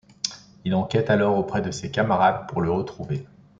Il enquête alors auprès de ses camarades pour le retrouver.